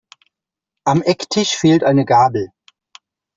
Am Ecktisch fehlt eine Gabel.